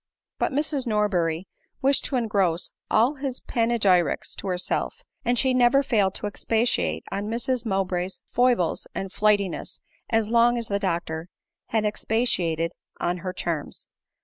But Mrs Norbeny wished to engross all his panegyrics to herself, and she never failed to expatiate on Mrs Mowbray's foibles and flightiness as long as the doctor had expatia ted on her charms.